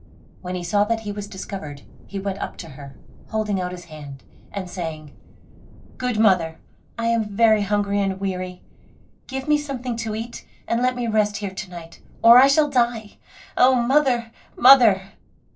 When he saw that he was discovered, he went up to her, holding out his hand, and saying: "Good mother, I am very hungry and weary, give me something to eat and let me rest here to night, or I shall die. Oh, mother! mother!"